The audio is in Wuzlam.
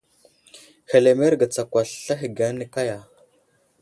Hələmerge tsakwasl ahəge ane kaya.